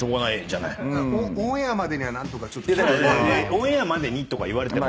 「オンエアまでに」とか言われても。